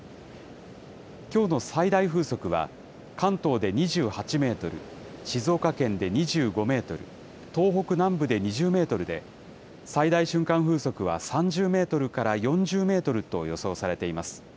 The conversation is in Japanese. きょうの最大風速は、関東で２８メートル、静岡県で２５メートル、東北南部で２０メートルで、最大瞬間風速は３０メートルから４０メートルと予想されています。